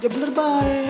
dia bener baik